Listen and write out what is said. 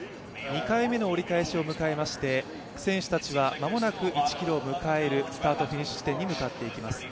２回目の折り返しを迎えまして選手たちは間もなく１ｋｍを迎えるスタートフィニッシュ地点に向かっていきます。